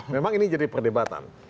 memang ini jadi perdebatan